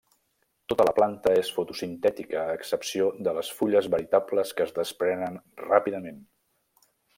Tota la planta és fotosintètica a excepció de les fulles veritables que es desprenen ràpidament.